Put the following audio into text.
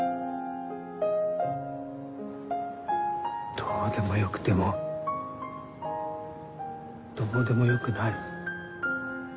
どうでもよくてもどうでもよくない。